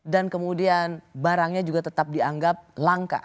dan kemudian barangnya juga tetap dianggap langka